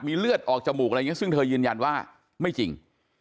เลือดออกจมูกอะไรอย่างนี้ซึ่งเธอยืนยันว่าไม่จริง